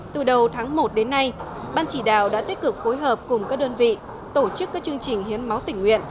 từ đầu tháng một đến nay ban chỉ đạo đã tích cực phối hợp cùng các đơn vị tổ chức các chương trình hiến máu tỉnh nguyện